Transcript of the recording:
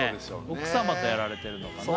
奥様とやられてるのかな